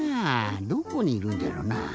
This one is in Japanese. どこにいるんじゃろなぁ？